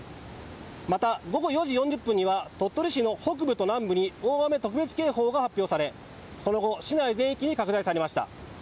また午後４時４０分には鳥取市の北部と南部に大雨特別警報が発表されその後、市内全域に拡大されました。